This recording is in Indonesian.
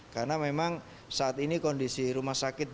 karena memang saat ini kondisi rumah sakit